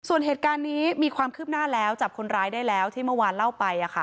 ส่วนเหตุการณ์นี้มีความคืบหน้าแล้วจับคนร้ายได้แล้วที่เมื่อวานเล่าไป